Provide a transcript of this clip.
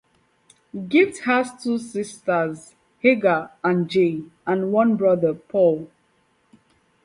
Gift has two sisters, Helga and Jay, and one brother, Paul.